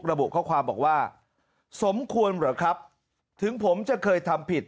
ระบุข้อความบอกว่าสมควรเหรอครับถึงผมจะเคยทำผิด